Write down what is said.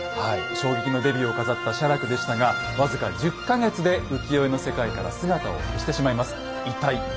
衝撃のデビューを飾った写楽でしたが僅か１０か月で浮世絵の世界から姿を消してしまいます。